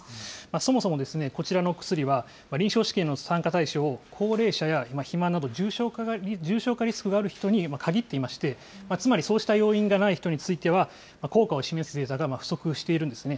そもそも、こちらのお薬は、臨床試験の参加対象を、高齢者や肥満など、重症化リスクがある人に限っていまして、つまりそうした要因がない人については、効果を示すデータが不足しているんですね。